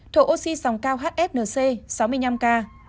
thở oxy dòng cao hfnc sáu mươi năm ca